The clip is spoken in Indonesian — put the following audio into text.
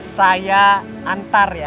saya antar ya